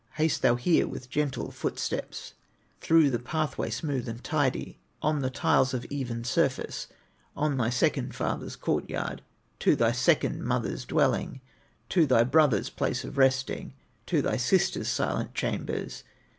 Haste thou here with gentle footsteps, Through the pathway smooth and tidy, On the tiles of even surface, On thy second father's court yard, To thy second mother's dwelling, To thy brother's place of resting, To thy sister's silent chambers.